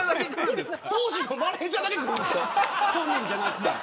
本人じゃなくて。